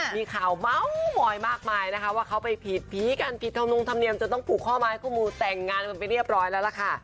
มีข่าวเมาส์มอยมากมายนะคะว่าเขาไปผิดผีกันผิดธรรมนงธรรมเนียมจะต้องผูกข้อไม้ข้อมือแต่งงานกันไปเรียบร้อยแล้วล่ะค่ะ